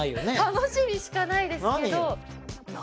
楽しみしかないですけど何よ？